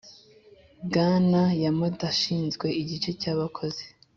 bwana yamada ashinzwe igice cyabakozi.